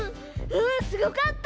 うんすごかった！